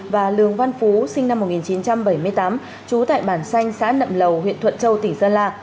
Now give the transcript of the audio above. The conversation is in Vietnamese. và lường văn phú sinh năm một nghìn chín trăm bảy mươi tám trú tại bản xanh xã nậm lầu huyện thuận châu tỉnh sơn la